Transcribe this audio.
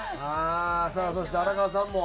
さあそして荒川さんも。